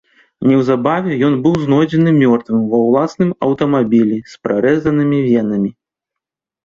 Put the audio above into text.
Неўзабаве ён быў знойдзены мёртвым ва ўласным аўтамабілі з перарэзанымі венамі.